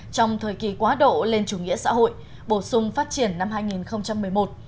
trong thời kỳ quá độ lên chủ nghĩa xã hội bổ sung phát triển năm hai nghìn một mươi một